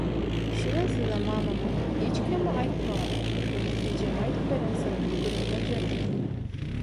Şügün size mamamyň "hiçkime aýtmagyn" diýip ejeme aýdyp beren syryny gürrüň berjek.